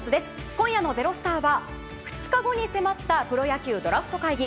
今夜の「＃ｚｅｒｏｓｔａｒ」は２日後に迫ったプロ野球ドラフト会議。